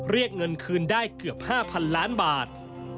เรียกเงินคืนได้เกือบ๕๐๐๐ล้านบาท